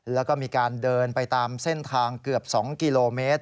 แล้วก็มีการเดินไปตามเส้นทางเกือบ๒กิโลเมตร